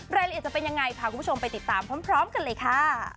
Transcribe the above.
รายละเอียดจะเป็นยังไงพาคุณผู้ชมไปติดตามพร้อมกันเลยค่ะ